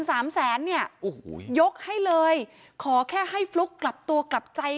สามแสนเนี่ยโอ้โหยกให้เลยขอแค่ให้ฟลุ๊กกลับตัวกลับใจ